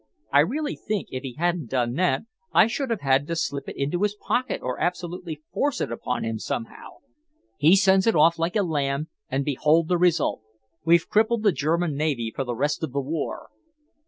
I really think, if he hadn't done that, I should have had to slip it into his pocket or absolutely force it upon him somehow. He sends it off like a lamb and behold the result! We've crippled the German Navy for the rest of the war."